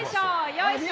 よいしょ！